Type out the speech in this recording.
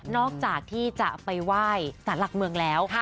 จากที่จะไปไหว้สารหลักเมืองแล้ว